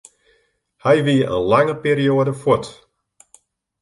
Hy wie in lange perioade fuort.